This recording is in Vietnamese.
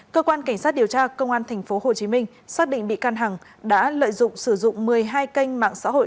cơ quan cảnh sát điều tra công an tp hcm xác định bị can hằng đã lợi dụng sử dụng một mươi hai kênh mạng xã hội